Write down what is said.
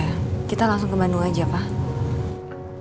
ya kita langsung ke bandung aja pak